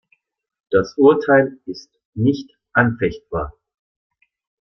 Das Urteil ist nicht anfechtbar.